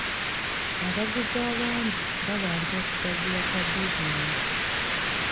Abaguzi abangi babanja okugaziwa kwa bizinensi.